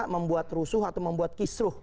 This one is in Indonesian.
membuat rusuh atau membuat kisruh